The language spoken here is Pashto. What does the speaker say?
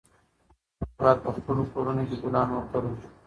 موږ باید په خپلو کورونو کې ګلان وکرلو.